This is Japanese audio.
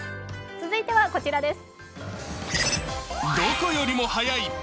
続いてはこちらです。